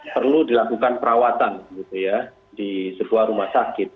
perlu dilakukan perawatan gitu ya di sebuah rumah sakit